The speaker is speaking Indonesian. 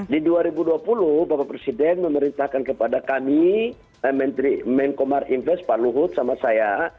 di dua ribu dua puluh bapak presiden memerintahkan kepada kami menteri menkomar invest pak luhut sama saya